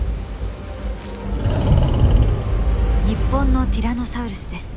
日本のティラノサウルスです。